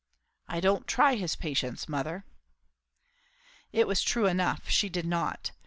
"I don't try his patience, mother." It was true enough; she did not.